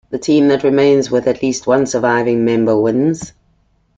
The team that remains with at least one surviving member wins.